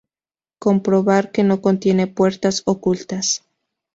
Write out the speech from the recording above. comprobar que no contiene puertas ocultas